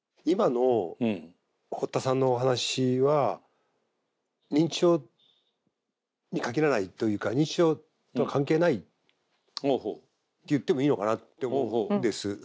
今の堀田さんのお話は認知症に限らないというか認知症とは関係ないって言ってもいいのかなって思うんです。